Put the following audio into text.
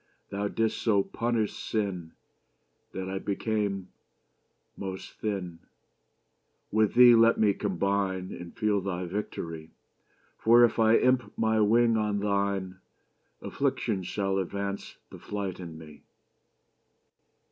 Thou didst so punish sinne, That I became Most thinne. With thee Let me combine, And feel thy victorie: For, if I imp my wing on thine, Affliction shall advance the flight in me.